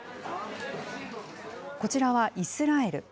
こちらはイスラエル。